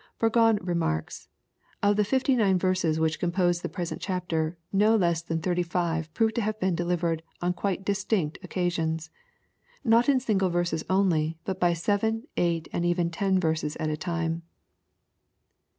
Burgon remarks, " Of the fifty nine verses which compose tho present chapter, no less than thirty five prove to have been deliv ered on quite distinct occasions ; not in single verses only, but by •even, eight, and even ten verses at a time.